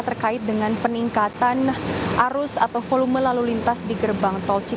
terkait dengan peningkatan arus atau volume lalu lintas di gerbang tol cikamp